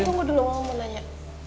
eh tunggu dulu mamamu nanya